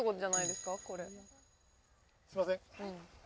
すみません。